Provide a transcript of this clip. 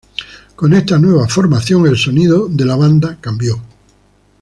Con esta nueva formación el sonido de la banda cambió.